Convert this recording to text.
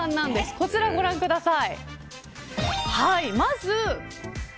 こちらご覧ください。